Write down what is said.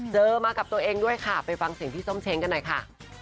มากับตัวเองด้วยค่ะไปฟังเสียงพี่ส้มเช้งกันหน่อยค่ะ